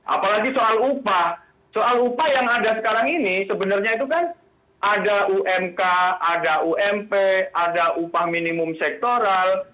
apalagi soal upah soal upah yang ada sekarang ini sebenarnya itu kan ada umk ada ump ada upah minimum sektoral